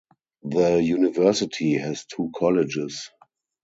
The university has two colleges.